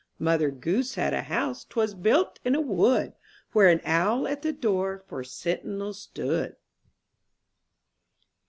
Mother Goose had a house, 'Twas built in a wood, Where an owl at the door For sentinel stood.